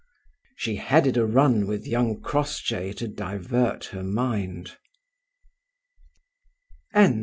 She headed a run with young Crossjay to divert her mind.